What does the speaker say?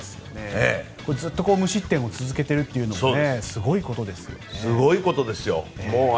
ずっと無失点を続けているというのもすごいことですよ。